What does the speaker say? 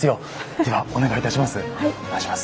ではお願いいたします。